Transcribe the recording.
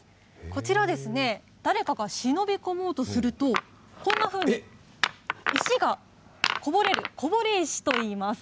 こちら、誰かが忍び込もうとすると、こんなふうに石がこぼれる、こぼれ石といいます。